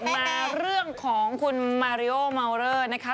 มาเรื่องของคุณ์มาเรอ้อมาวเริ่นน่ะคะ